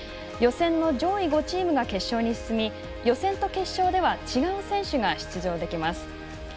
予選の上位５チームが決勝に進み予選と決勝では違う選手が出場できます。